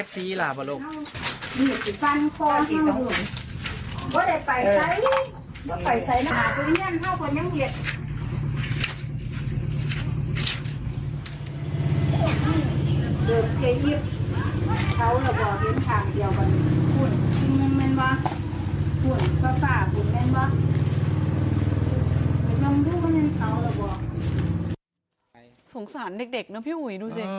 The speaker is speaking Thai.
สงสารเด็กเนอะพี่อุ๋ยดูสิ